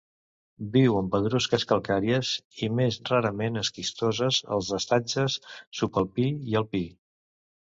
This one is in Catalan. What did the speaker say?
Viu en pedrusques calcàries i més rarament esquistoses als estatges subalpí i alpí.